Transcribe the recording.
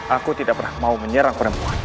aku tidak pernah mau menyerang perempuan